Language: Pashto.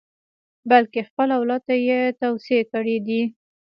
بلکې خپل اولاد ته یې توصیې کړې دي.